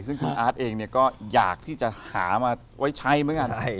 ซึ่งคุณอาร์ตเองก็อยากที่จะหามาไว้ใช้เหมือนกัน